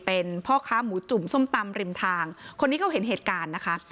เป็นพ่อค้าหมูจุ่มส้มตำริมทางคนนี้เขาเห็นเหตุการณ์นะคะ